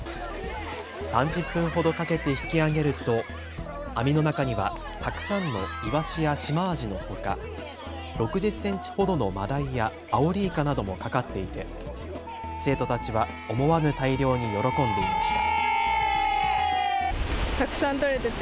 ３０分ほどかけて引き揚げると網の中にはたくさんのイワシやシマアジのほか、６０センチほどのマダイやアオリイカなどもかかっていて生徒たちは思わぬ大漁に喜んでいました。